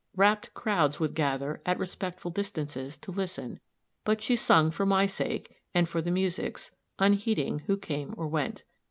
Rapt crowds would gather, at respectful distances, to listen; but she sung for my sake, and for the music's, unheeding who came or went.